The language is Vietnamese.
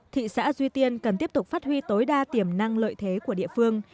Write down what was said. thị xã duy tiên cần tiếp tục phát huy tối đa tiềm năng lợi thế của địa phương